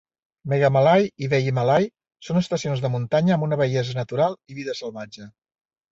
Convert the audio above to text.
Meghamalai i Vellimalai són estacions de muntanya amb una bellesa natural i vida salvatge.